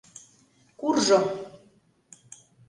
Куржо...